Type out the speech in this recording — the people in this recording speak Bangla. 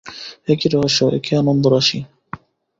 একি রহস্য, একি আনন্দরাশি!